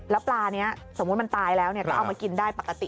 แล้วปลานี้สมมุติมันตายแล้วก็เอามากินได้ปกติ